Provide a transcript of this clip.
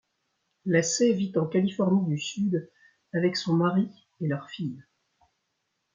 Lacey vit en Californie du Sud avec son mari et leur fille.